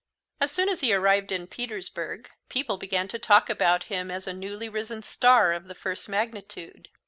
As soon as he arrived in Petersburg, people began to talk about him as a newly risen star of the first magnitude.